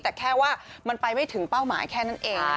แต่แค่ว่ามันไปไม่ถึงเป้าหมายแค่นั้นเอง